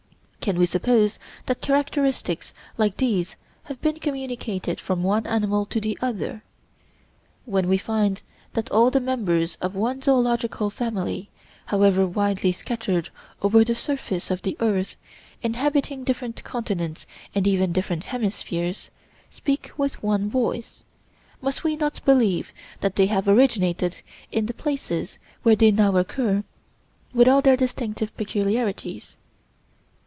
Can we suppose that characteristics like these have been communicated from one animal to another? When we find that all the members of one zoölogical family, however widely scattered over the surface of the earth, inhabiting different continents and even different hemispheres, speak with one voice, must we not believe that they have originated in the places where they now occur, with all their distinctive peculiarities?